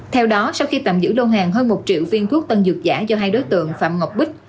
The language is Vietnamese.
theo đó sau khi tạm giữ lô hàng hơn một triệu viên thuốc tân dược giả do hai đối tượng phạm ngọc bích